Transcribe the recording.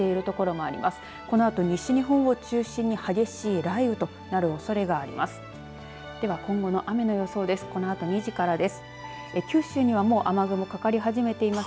このあと、西日本を中心に激しい雷雨となるおそれがあります。